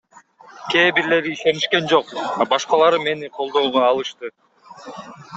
Кээ бирлери ишенишкен жок, а башкалары мени колдоого алышты.